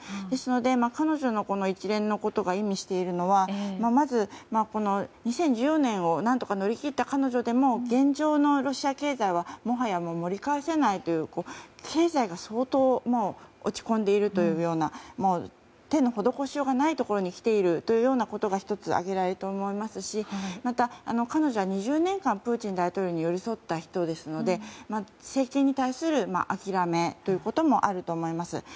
ですので彼女の一連のことが意味しているのはまず２０１４年を何とか乗り切った彼女でも現状のロシア経済はもはや盛り返せないという経済が相当落ち込んでいるというような手の施しようがないところに来ているということが１つ挙げられると思いますしまた、彼女は２０年間プーチン大統領に寄り添った人ですので政権に対する諦めということもあると思います。